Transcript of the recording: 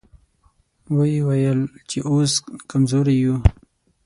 ويې ويل چې اوس کمزوري يو.